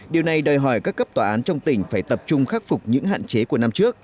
điều này đòi hỏi các cấp tòa án trong tỉnh phải tập trung khắc phục những hạn chế của năm trước